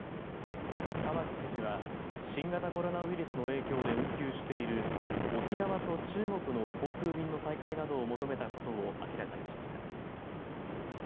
玉城知事は新型コロナウイルスの影響で運休している沖縄と中国の航空便の再開などを求めたことを明らかにしました。